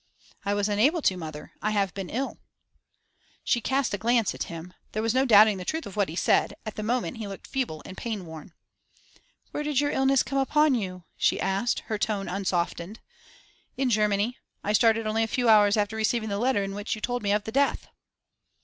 'I was unable to, mother. I have been ill.' She cast a glance at him. There was no doubting the truth of what he said; at this moment he looked feeble and pain worn. 'Where did your illness come upon you?' she asked, her tone unsoftened. 'In Germany. I started only a few hours after receiving the letter in which you told me of the death.